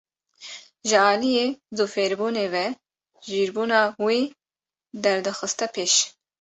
Ji aliyê zû fêrbûnê ve jîrbûnê wî derdixiste pêş.